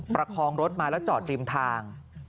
ประคองรถมาแล้วจอดริมทาง